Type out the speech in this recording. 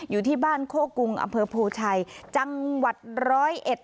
อยู่ที่บ้านโคกรุงอำเภอโพชัยจังหวัดร้อยเอ็ด